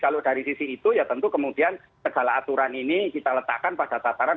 kalau dari sisi itu ya tentu kemudian segala aturan ini kita letakkan pada tataran